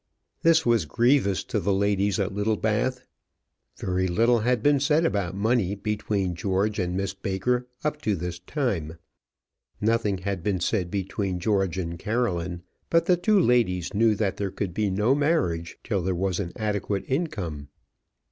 This was grievous to the ladies at Littlebath. Very little had been said about money between George and Miss Baker up to this time; nothing had been said between George and Caroline; but the two ladies knew that there could be no marriage till there was an adequate income.